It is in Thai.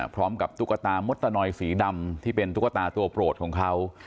ตุ๊กตามดตะนอยสีดำที่เป็นตุ๊กตาตัวโปรดของเขา